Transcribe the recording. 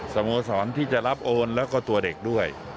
สโมสรที่จะรับโอนแล้วก็ตัวเด็กด้วย